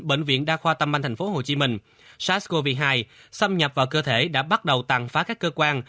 bệnh viện đa khoa tâm anh tp hcm sars cov hai xâm nhập vào cơ thể đã bắt đầu tàn phá các cơ quan